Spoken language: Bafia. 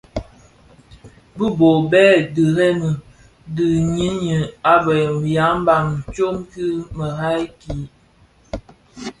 Dhi bo Bè dhemremi bi ňyinim a be ya mbam tsom ki merad ki.